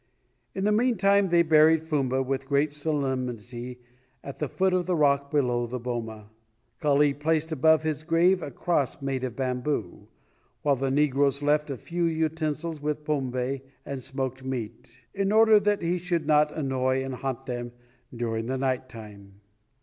In the meantime they buried Fumba with great solemnity at the foot of the rock below the boma. Kali placed above his grave a cross made of bamboo, while the negroes left a few utensils with pombe and smoked meat "in order that he should not annoy and haunt them during the night time."